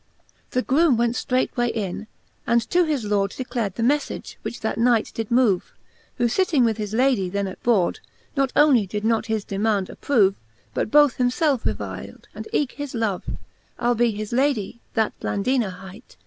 The groome went ftreight way in, and to his Lord Declar'd the mefllage, which that Knight did movej Who fitting with his Lady then at bord, Not onely did not his demaund approve, But both himfelfe revil'd, and eke his lovej Albe his Lady, that Blandina hight.